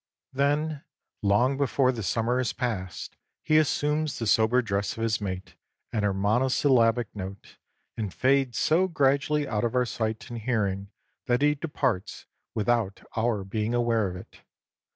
Then, long before the summer is past, he assumes the sober dress of his mate and her monosyllabic note, and fades so gradually out of our sight and hearing that he departs without our being aware of it.